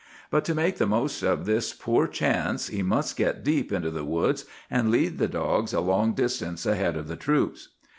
"But to make the most of this poor chance he must get deep into the woods, and lead the dogs a long distance ahead of the troops.